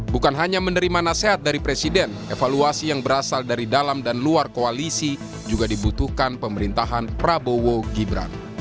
bukan hanya menerima nasihat dari presiden evaluasi yang berasal dari dalam dan luar koalisi juga dibutuhkan pemerintahan prabowo gibran